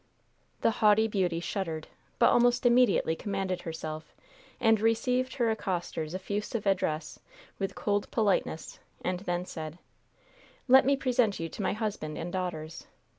The haughty beauty shuddered, but almost immediately commanded herself and received her accoster's effusive address with cold politeness, and then said: "Let me present you to my husband and daughters.